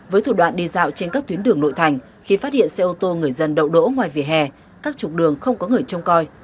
với thủ đoạn đi dạo trên các tuyến đường nội thành khi phát hiện xe ô tô người dân đậu đỗ ngoài vỉa hè các trục đường không có người trông coi